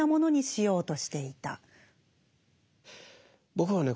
僕はね